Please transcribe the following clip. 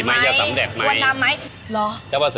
ผมก็ไปถามเจ้าพ่อเสริอ